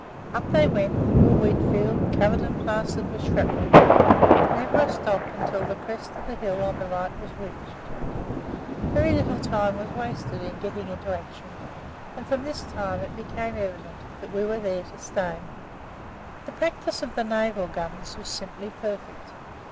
Up they went, through a wheat field, covered and plastered with shrapnel, but with never a stop until the crest of the hill on the right was reached. Very little time was wasted in getting into action, and from this time it became evident that we were there to stay. The practice of the naval guns was simply perfect.